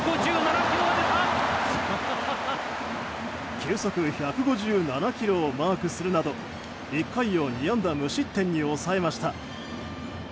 球速１５７キロをマークするなど１回を２安打無失点に抑えました。